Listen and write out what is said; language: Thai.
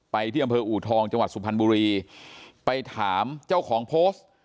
ที่อำเภออูทองจังหวัดสุพรรณบุรีไปถามเจ้าของโพสต์